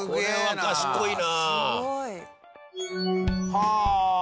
はあ！